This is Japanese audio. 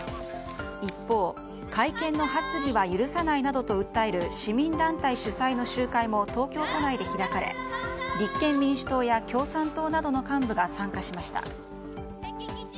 一方、改憲の発議は許さないなどと訴える市民団体主催の集会も東京都内で開かれ立憲民主党や共産党などの幹部が参加しました。